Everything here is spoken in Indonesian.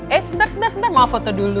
eh sebentar sebentar mau foto dulu